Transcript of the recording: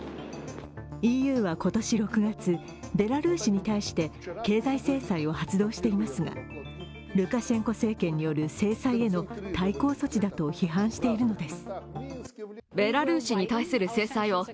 ＥＵは今年６がつ、ベラルーシに対して経済制裁を発動していますが、ルカシェンコ政権による制裁への対抗措置だと批判しているのです。